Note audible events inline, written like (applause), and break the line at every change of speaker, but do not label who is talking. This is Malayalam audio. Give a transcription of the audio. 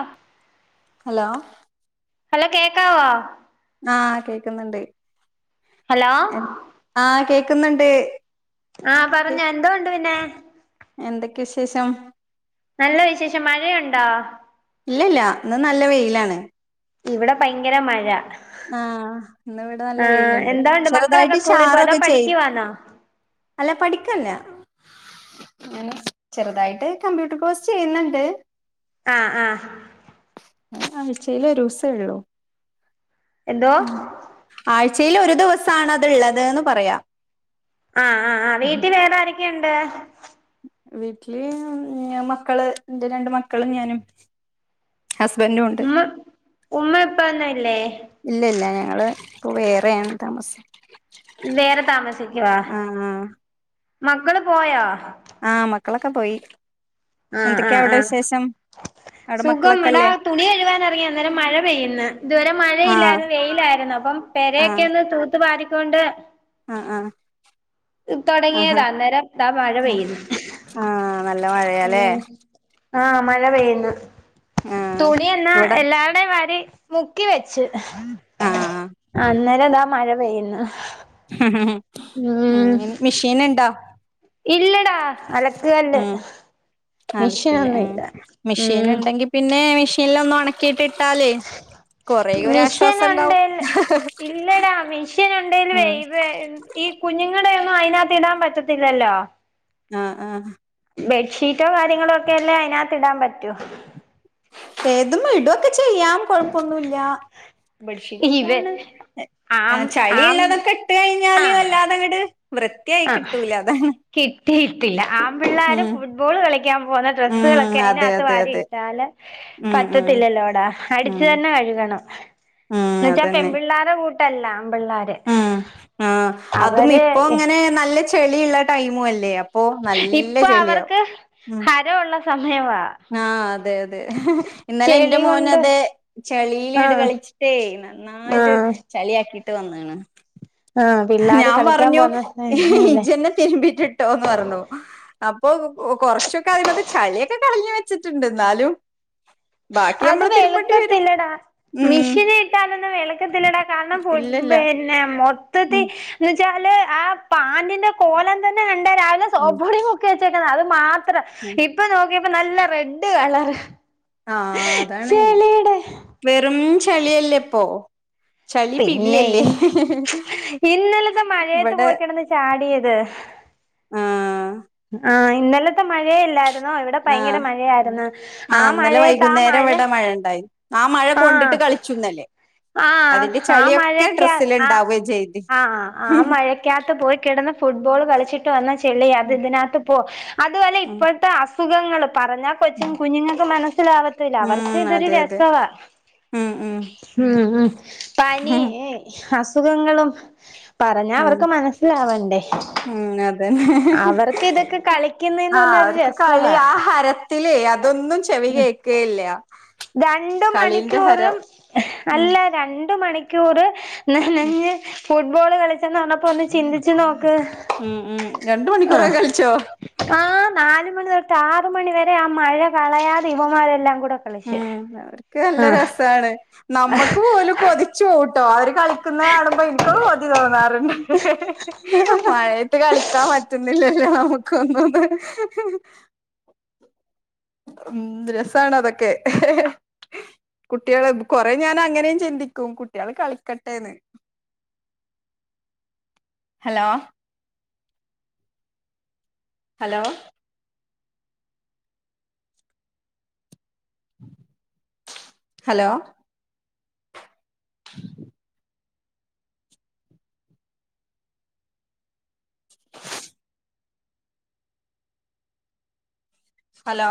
ആഹ്.
ഹലോ.
ഹലൊ കേക്കാവോ?
ആഹ് കേക്കുന്നൊണ്ട്
ഹലോ
ഏഹ് ആഹ് കേക്കുന്നൊണ്ട്.
ആഹ് പറഞ്ഞൊ എന്തോ ഉണ്ട് പിന്നെ?
എന്തൊക്കെ വിശേഷം?
നല്ല വിശേഷം മഴയൊണ്ടോ?
ഇല്ല ല്ല ഇന്ന് നല്ല വെയിലാണ്.
ഇവ്ട പൈങ്കര മഴ.
ആഹ് ഇന്നിവിട നല്ല
ആഹ്
വെയില്ണ്ട്
എന്താണ്ട് മക്കളൊക്കെ
ചെറുതായിട്ട്
സ്കൂളിൽ പോയോ അതോ
ചാറൊക്കെ ചെയ്
പഠിക്കുവാന്നോ
അല്ല പഠിക്കല്ല. ഞാൻ ചെറുതായിട്ട് കമ്പ്യൂട്ടർ കോഴ്സ് ചെയ്യുന്നുണ്ട്.
ആഹ് ആഹ്.
ആഴ്ചേല് ഒരൂസേ ഉള്ളൂ.
എന്തോ
ഉം ആഴ്ചയില് ഒരു ദിവസാണത്ള്ളത് ന്ന് പറയാ.
അഹ് അഹ് ആഹ് വീട്ടിൽ വേറെ ആരൊക്കെയുണ്ട്?
വീട്ടില് ഞ മക്കള് ഇന്റെ രണ്ട് മക്കളും ഞാനും. ഹസ്ബന്റു
മ്മ ഉമ്മ ഉപ്പ ഒന്നുല്ലേ?
ഇല്ല ഇല്ല ഞങ്ങൾ ഇപ്പോ വേറെയാണ് താമസം
വേറെ താമസിക്കുവ
ആഹ്
മക്കള് പോയോ?
ആഹ് മക്കളൊക്കെ പോയി
ആഹ്
എന്തൊക്കെ
ആഹ്
അവിടെ
ആഹ്
വിശേഷം. അവിടെ
സുഖം ഇവ്ടാ
മക്കളൊക്കെല്ലേ
തുണി കഴുകാൻ ഇറങ്ങിയ അന്നേരം മഴ പെയ്യ്ന്ന് ഇതുവരെ
ആഹ്
മഴയില്ലാതെ വെയിലായിരുന്നു അപ്പം. പെരേക്കെന്ന് തൂത്ത് വാരിക്കൊണ്ട്.
അഹ് ആഹ്. ആഹാ
തൊടങ്ങിയതാ അന്നേരം ഇതാ മഴ പെയ്യുന്നു
ആഹ് നല്ല മഴയാല്ലേ
ഉം ആഹ് മഴ പെയ്യുന്നു
ആഹ്
തുണി എന്നാ
ഇവിടെ
എല്ലാരുടെയും വാരി. മുക്കി വെച്ച്
ആഹ്
അന്നേരം ഇതാ മഴ പെയ്യുന്ന് ഹ്.
അങ്ങനെ മിഷീന്ണ്ടാ?
ഇല്ലടാ അലക്കുകല്ല്
ഉം
മിഷൊന്നും ഇല്ല ഉം.
പിന്നേ മിഷീൻല് ഒന്ന് ഒണക്കീട്ട് ഇട്ടാല്.
മിഷ്യൻ ഉണ്ടേല് ഇല്ലടാ മിഷ്യൻ ഉണ്ടെല്
ഉം
വെയില്. ഈ കുഞ്ഞുങ്ങള്ടേ ഒന്നും അതിനകത്ത് ഇടാൻ പറ്റത്തില്ലല്ലോ.
ആഹ് ആഹ്.
ബെഡ്ഷീറ്റോ കാര്യങ്ങളൊക്കെ അല്ലെ അതിനാകത്ത് ഇടാൻ പറ്റു
ഏതും ഇടോക്കെ ച്ചെയാം കൊഴപ്പൊന്നുമില്ല
ഇവ
ബെഡ്ഷീറ്റൊക്കെയാണ് ഏഹ്
ആം
ആ
ആം
ചളിയുള്ളതൊക്കെ ഇട്ട് കഴിഞ്ഞാലും വല്ലാതെ ഇങ്ങോട്ട്‌ വൃത്തി
ആ കിട്ടിയിട്ടില്ല ആമ്പിള്ളാര്
ഉം
ഫുട്ബോൾ കളി കളിക്കാൻ പോണ
ഉം
ഡ്രസ്സുകളൊക്കെ
അതെ
അതിനകത്ത്
അതെ
വാരി
അതെ
ഇട്ടാല്
ഉം ഉം
പറ്റത്തില്ലല്ലോടാ
ഉം
അടിച്ചു തന്നെ കഴുകണം
ഉം
എന്ന് വെച്ചാൽ
അതന്നെ
പെപിള്ളാരെ കൂട്ടല്ല ആംപിള്ളാര്
ഉം ആഹ് അതും ഇപ്പോ അങ്ങനെ നല്ല ചെളിയുള്ള ടൈമും അല്ലേ അപ്പൊ നല്ല
ഇപ്പം
ചെളിയാവും
അവർക്ക് ഹരൊള്ള സമയവാ
ആ അതെ അതെ ഇന്നലെ എന്റെ
ചെളി
മോനും
കൊണ്ട്
അതെ ചളിയില് ഇങ്ങട്ട്
ആഹ്
കളിച്ചിട്ടേ നന്നായിട്ട്
ആഹ്
ചെളിയാകീട്ട് വന്നാണ്
ആഹ് പിള്ളേര്
ഞാൻ
കളിക്കാൻ
പറഞ്ഞു
പോന്ന സമയല്ലേ
ഇജ്ജെന്നെ തിരുമ്പിയിട്ടിട്ട് കേട്ടോന്ന് പറഞ്ഞു അപ്പൊ കൊറച്ചൊക്കെ അതിമത്തെ ചളിയൊക്കെ കളഞ്ഞു വെച്ചിട്ടുണ്ട് ഇന്നാലും
അത്
വരും
വെളുക്കത്തില്ലടാ
ഉം
മിഷീന് ഇട്ടാലൊന്നും വെളക്കത്തില്ലടാ കാരണം
ഇല്ലല്ല
പിന്നെ മൊത്തത്തി
ഉം
എന്ന വെച്ചാല് ആ പാന്റിന്റെ കോലം തന്നെ കണ്ട രാവിലെ
ഉം
സോപ്പ്പൊടി മുക്കി വെച്ച് (unintelligible) അത് മാത്രം
ഉം.
ഇപ്പൊ നോക്കിയപ്പോ നല്ല റെഡ് കളറ്
ആഹ് അതാണ്
ചെളിയുടെ
വെറും ചെളിയല്ലേ ഇപ്പൊ ചളി
പിന്നെ
പിളിയല്ലേ
ഇന്നലത്തെ മഴയത്ത്
ഇവിടെ
പോയി കിടന്ന് ചാടിയത്
ആ
ആ ഇന്നലത്തെ മഴയല്ലാരുന്നോ ആയിരുന്നോ ഇവിടെ
ആ
ഭയങ്കര മഴയായിരുന്നു ആ
ഇന്നലെ
മഴയത്തു ആ
വൈകുന്നേരം
മഴ
ഇവിടെ ഉണ്ടായി ആ മഴ കൊണ്ടിട്ടു
ആഹ്
കളിച്ചു ഇന്നല്ലേ
ആഹ് ആ മഴയൊകെ ആഹ്
ഉണ്ടാവുകയും ചെയ്ത്
ആഹ് ആഹ് മഴയൊക്കെ ചെളികാത്തു പോയി കിടന്ന് ഫുട്ബോൾ കളിച്ചിട്ട് വന്ന ചെളിയാ അത് ഇതിനാകത്ത് പോയി അതുവല്ലെ
ഉം
ഇപ്പോഴത്തെ അസുഖം അസുഖങ്ങൾ പറഞ്ഞാൽ
ഉം
കൊച്ചു കുഞ്ഞുങ്ങൾക്ക് മനസ്സിലാവത്തില്ല അവർക്ക്
ഉം
ഇതൊരു
അതെ അതെ
രസവാ
ഉം ഉം
ഉം ഉം
ഉം
പനിയ് അസുഖങ്ങളും പറഞ്ഞാ
ഉം
അവർക്ക് മനസ്സിലാവണ്ടെ
ദ ഹെ ഹെ
കളിക്കുന്നേന്ന്
അഹ്
പറഞ്ഞ ഒരു
അവർക്ക് കളി
രസവാ
ആഹ് ഹരത്തിലെ അതൊന്നും ചി ചെവി കേക്കേയില്ല
രണ്ട് മണിക്കൂറും ഹെ
ഉം
അല്ല രണ്ടു മണി ക്കൂർ
ഉം
നനഞ്ഞ് ഫുട്ബോള് കളിചെന്ന് പറഞ്ഞപ്പോ ഒന്ന് ചിന്തിച്ചു നോക്ക്
ഉം ഉം രണ്ടു മണിക്കൂറൊക്കെ
ആഹ്
കളിച്ചോ
ആഹ് നാലുമണി തൊട്ട് ആറു മണിവരെ ആ മഴ കളയാതെ ഇവമാരെല്ലാം കൂടെ കളിച്ച്
ഉം അവർക്ക് നല്ല
ആഹ്
രസണ് നമ്മക്ക് പോലും കൊതിച്ചുവെവുട്ടൊ ആരും കളിക്കുന്ന കാണുമ്പോ എനിക്ക് കൊതി തോന്നാറുണ്ട് മഴയ ത്ത് കളിക്കാൻ പറ്റുന്നില്ലല്ലോ നമുക്കു ഒന്നുംന്ന് മ്മ് രസണ് അതൊക്കെ കുട്ടിള് കൊറേ ഞാൻ അങ്ങനെയും ചിന്തിക്കും കുട്ടികള് കളിക്കട്ടേന്ന് ഹലോ ഹലോ ഹലോ (inaudible) ഹലോ